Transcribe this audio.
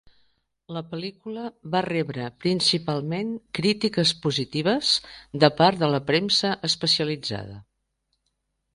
La pel·lícula va rebre principalment crítiques positives de part de la premsa especialitzada.